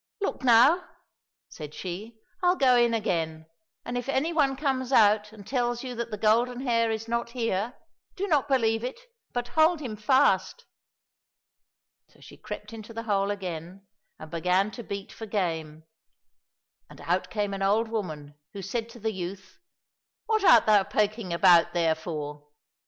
Look now !" said she, " I'll go in again, and if any one comes out and tells you that the golden hare is not here, don't believe it, but hold him fast." So she crept into the hole again and began to beat for game, and out came an old woman, who said to the youth, " What art thou poking about there for